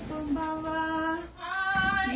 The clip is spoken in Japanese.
はい。